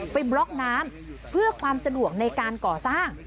บล็อกน้ำเพื่อความสะดวกในการก่อสร้าง